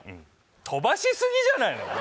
飛ばしすぎじゃない？